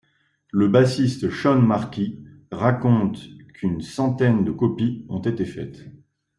Le bassiste Shawn Marquis raconte qu'un centaine de copies ont été faites.